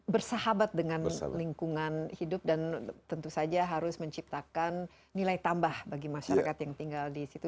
bersahabat dengan lingkungan hidup dan tentu saja harus menciptakan nilai tambah bagi masyarakat yang tinggal di situ